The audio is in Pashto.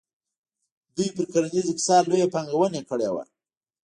دوی پر کرنیز اقتصاد لویه پانګونه کړې وه.